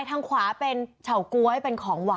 ทางขวาเป็นเฉาก๊วยเป็นของหวาน